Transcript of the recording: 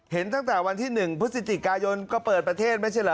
ตั้งแต่วันที่๑พฤศจิกายนก็เปิดประเทศไม่ใช่เหรอ